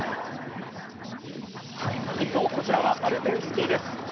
一方、こちらはアルペンスキーです。